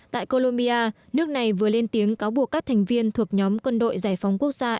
tại colombia nước này vừa lên tiếng cáo buộc các thành viên thuộc nhóm quân đội giải phóng quốc gia